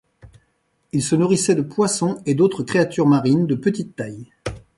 Il se nourrissait de poissons et d'autres créatures marines de petite taille.